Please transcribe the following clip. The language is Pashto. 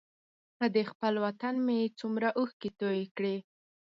په دې خپل وطن مې څومره اوښکې توی کړې.